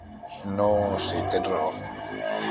No... si tens raó.